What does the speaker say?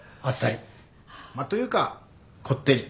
というかこってり。